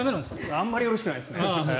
あまりよろしくないです。